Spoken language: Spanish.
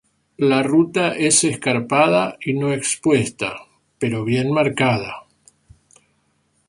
La ruta es escarpada y no expuesta, pero bien marcada.